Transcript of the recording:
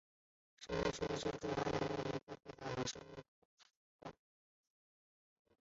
生态池水源主要来自隔壁的生命科学馆。